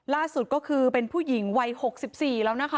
ล่าสุดก็คือเป็นผู้หญิงวัย๖๔แล้วนะคะ